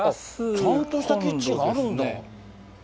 ちゃんとしたキッチンがあるんだ。